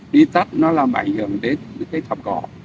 rào sắt nó làm ảnh hưởng đến cái thọc cỏ